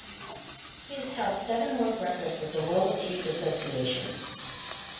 He has held seven world records with the World Cube Association.